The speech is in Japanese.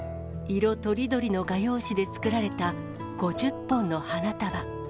色とりどりの画用紙で作られた５０本の花束。